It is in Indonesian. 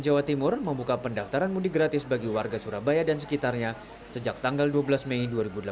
jawa timur membuka pendaftaran mudik gratis bagi warga surabaya dan sekitarnya sejak tanggal dua belas mei dua ribu delapan belas